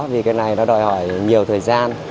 vì cái này nó đòi hỏi nhiều thời gian